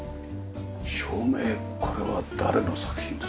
照明これは誰の作品ですか？